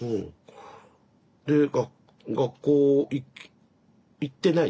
で学校行ってない？